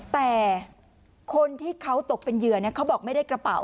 แต่คนที่เขาตกเป็นเหยื่อเขาบอกไม่ได้กระเป๋า